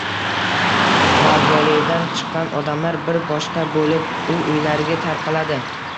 Mavzoleydan chiqqan odamlar bir boshqa bo‘lib... uy-uylariga tarqaladi.